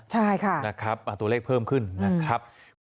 ใช่ค่ะตัวเลขเพิ่มขึ้นนะครับ